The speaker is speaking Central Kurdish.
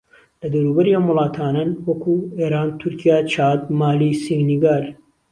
لە دەوروبەری ئەم وڵاتانەن وەکوو: ئێران، تورکیا، چاد، مالی، سینیگال